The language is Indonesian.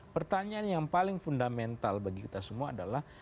pertanyaan yang paling fundamental bagi kita semua adalah